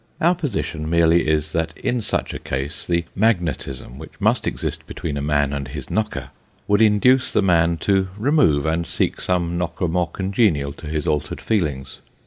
Our position merely is, that in such a case, the magnetism which must exist between a man and his knocker, would induce the man to remove, and seek some knocker more congenial to his altered feelings.